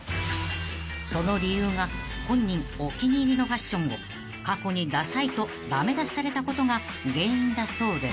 ［その理由が本人お気に入りのファッションを過去にダサいと駄目出しされたことが原因だそうで］